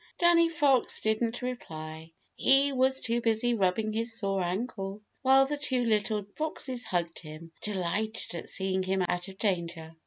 Danny Fox didn't reply. He was too busy rubbing his sore ankle, while the two little foxes hugged him, delighted at seeing him out of danger.